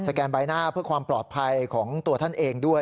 แกนใบหน้าเพื่อความปลอดภัยของตัวท่านเองด้วย